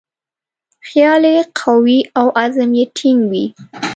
خیال یې قوي او عزم یې ټینګ وي.